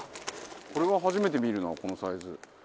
これは初めて見るなこのサイズ。